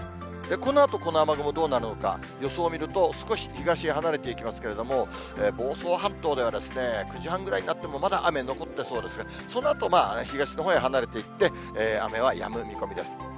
このあとこの雨雲どうなるのか、予想を見ると、少し東へ離れていきますけれども、房総半島では、９時半ぐらいになっても、まだ雨残ってそうですが、そのあと東のほうへ離れていって、雨はやむ見込みです。